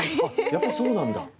やっぱりそうなんだ。